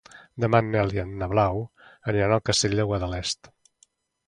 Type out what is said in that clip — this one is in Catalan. Demà en Nel i na Blau aniran al Castell de Guadalest.